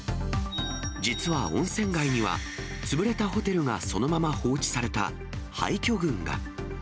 実は温泉街には、潰れたホテルがそのまま放置された廃虚群が。